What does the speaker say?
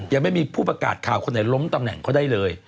ยังไม่มีผู้ประกาศข่าวคนไหนล้มตำแหน่งเขาได้เลย